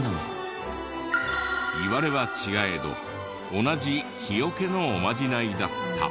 いわれは違えど同じ火除けのおまじないだった。